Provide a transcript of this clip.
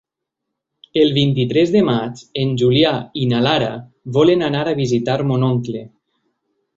El vint-i-tres de maig en Julià i na Lara volen anar a visitar mon oncle.